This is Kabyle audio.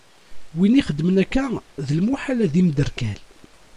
Win ixeddmen akka, d lmuḥal ad imderkal.